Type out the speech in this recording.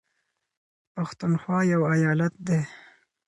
پښنونخوا يو ايالت دى